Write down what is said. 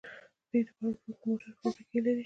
دوی د بار وړونکو موټرو فابریکې لري.